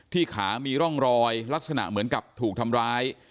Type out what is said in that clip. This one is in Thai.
ขามีร่องรอยลักษณะเหมือนกับถูกทำร้าย